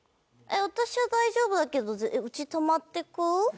私は大丈夫だけどえっうち泊まってく？